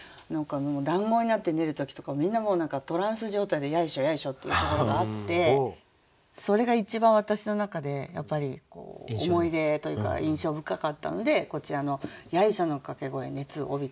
もうだんごになって練る時とかみんなもうトランス状態で「ヤイショヤイショ」っていうところがあってそれが一番私の中でやっぱり思い出というか印象深かったのでこちらの「ヤイショのかけ声熱おびて」としました。